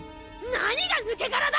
何が抜け殻だ！